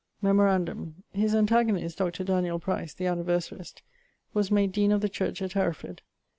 Memorandum: his antagonist Dr. Price, the anniversarist, was made deane of the church at Hereford.